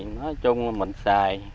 nói chung mình xài